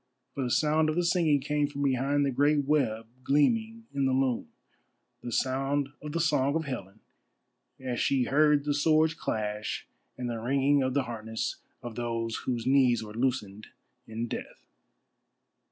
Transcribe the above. For the sound of the singing came from behind the great web gleaming in the loom, the sound of the song of Helen as she heard the swords clash and the ringing of the harness of those whose knees were loosened in death.